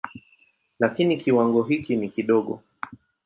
Lakini kiwango hiki ni kidogo.